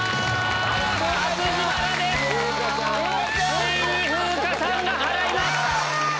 ついに風花さんが払います！